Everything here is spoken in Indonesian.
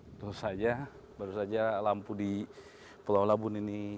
tentu saja baru saja lampu di pulau labun ini